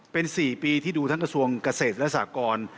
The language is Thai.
เป็น๔ปีที่ดูทั้งกระทรวงเกษตรและสากร